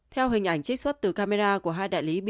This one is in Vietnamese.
theo hình ảnh trích xuất từ camera của hai đại lý